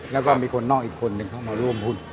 แล้วก็มีคนนอกอีกคนนึงเข้ามาร่วมหุ้น